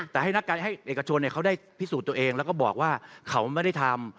แต่ให้นักการให้เอกชนเขาได้พิสูจน์ตัวเองแล้วก็บอกว่าเขาไม่ได้ทำ